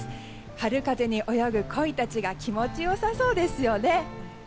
春風に泳ぐ恋たちが気持ち良さそうですよね。